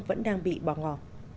vẫn đang bị bỏ ngỏ